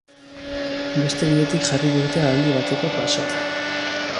Beste bidetik jarri dute aldi bateko pasoa.